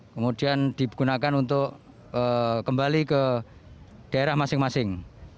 kemudian digunakan untuk kembali ke daerah masing masing